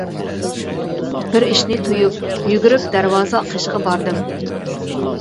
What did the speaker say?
بىر ئىشنى تۇيۇپ، يۈگۈرۈپ دەرۋازا قېشىغا باردىم.